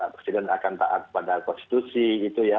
presiden akan taat pada konstitusi gitu ya